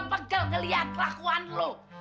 gue pegel ngeliat lakuan lo